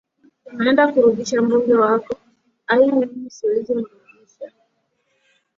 unaenda kurudisha mbunge wako ai mimi siwezi mrudisha